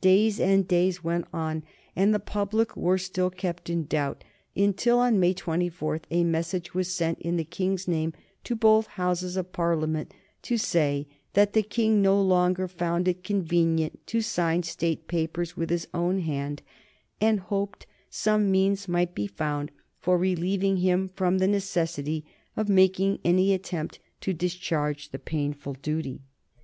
Days and days went on and the public were still kept in doubt, until on May 24 a message was sent in the King's name to both Houses of Parliament to say that the King no longer found it convenient to sign State papers with his own hand, and hoped some means might be found for relieving him from the necessity of making any attempt to discharge the painful duty.